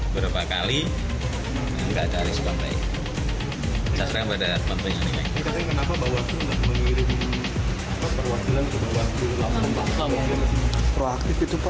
berapa kali tidak ada arief bawa buku